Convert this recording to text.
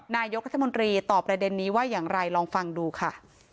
นายกรัฐมนตรีตอบประเด็นนี้ว่าอย่างไรลองฟังดูค่ะ